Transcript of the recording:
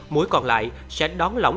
mũi còn lại sẽ đón lỏng